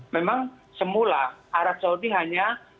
memang semula arab saudi hanya